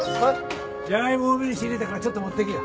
ジャガイモ多めに仕入れたからちょっと持ってけよ。